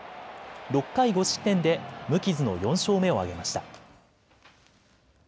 ６回５失点で無傷の４勝目を挙げました。